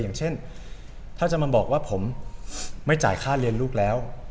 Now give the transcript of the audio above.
อย่างเช่นถ้าจะมาบอกว่าผมไม่จ่ายค่าเรียนลูกแล้ว